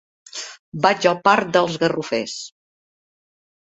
Vaig al parc dels Garrofers.